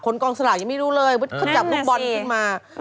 คนกองสลากยังไม่รู้เลยเค้าจับพวกบอลมา